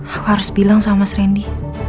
aku harus bilang sama mas randy